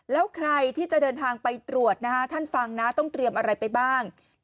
แล้วใครที่จะเดินทางไปตรวจท่านฟังนะต้องเตรียมอะไรไปบ้าง